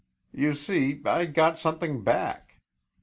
You see, I got something back.